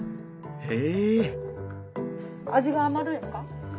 へえ！